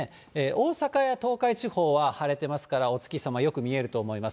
大阪や東海地方は晴れてますから、お月様よく見えると思います。